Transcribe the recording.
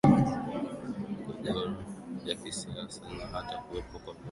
migogoro ya kisiasa na hata kuwepo kwa vurugu